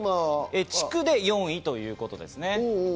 地区で４位ということです。